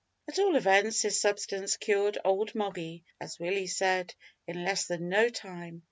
At all events this substance cured old Moggy, as Willie said, "in less than no time."